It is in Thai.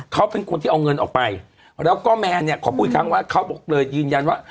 เขาเป็นคนที่เอาเงินออกไปแล้วก็แมนเนี่ยขอพูดอีกครั้งว่าเขาบอกเลยยืนยันว่า